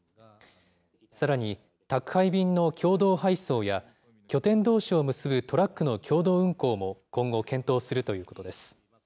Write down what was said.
さらに、宅配便の共同配送や、拠点どうしを結ぶトラックの共同運行も、今後検討するということです。